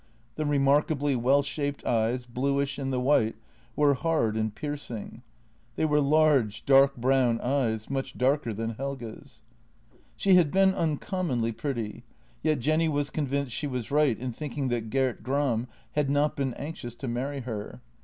The remarkably well shaped eyes, bluish in the white, were hard and piercing. They were large, dark browm eyes — much darker than Helge's. She had been uncommonly pretty; yet Jenny was convinced she was right in thinking that Gert Gram had not been anxious to marry her.